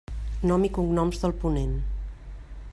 Noms i cognoms del ponent.